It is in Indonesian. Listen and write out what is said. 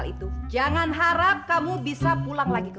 ini ayah ayah ayah nih